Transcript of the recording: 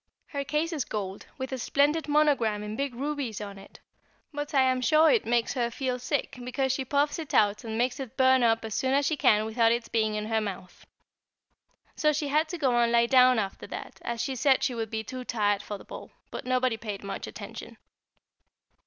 Her case is gold, with a splendid monogram in big rubies on it; but I am sure it makes her feel sick, because she puffs it out and makes it burn up as soon as she can without its being in her mouth. She had to go and lie down after that, as she said she would be too tired for the ball; but nobody paid much attention.